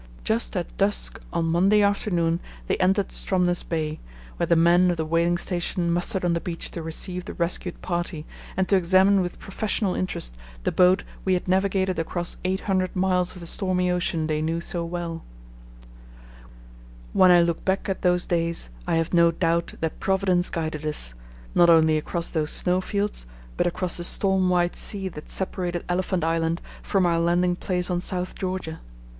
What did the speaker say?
Just at dusk on Monday afternoon they entered Stromness Bay, where the men of the whaling station mustered on the beach to receive the rescued party and to examine with professional interest the boat we had navigated across 800 miles of the stormy ocean they knew so well. [Illustration: Panorama of South Georgia] When I look back at those days I have no doubt that Providence guided us, not only across those snowfields, but across the storm white sea that separated Elephant Island from our landing place on South Georgia.